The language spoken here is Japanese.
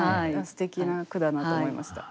すてきな句だなと思いました。